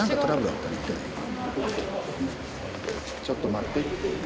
ちょっと待ってって。